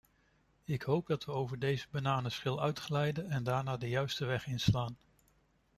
Ik hoop dat we over deze bananenschil uitglijden en daarna de juiste weg inslaan.